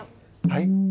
はい？